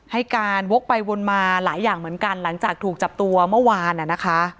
ให้การวกไปวนมาหลายอย่างเหมือนกันหลังจากถูกจับตัวเมื่อวานนะคะ